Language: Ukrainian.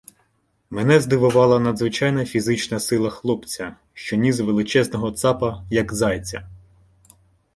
Мене здивувала надзвичайна фізична сила хлопця, що ніс величезного цапа, як зайця.